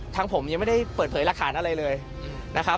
ยังไม่ได้ผมยังไม่ได้เปิดเผยหลักฐานอะไรเลยนะครับ